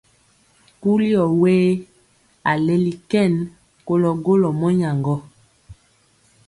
Kuli ɔ we? A leli kɛn kolɔ golɔ mɔnyaŋgɔ.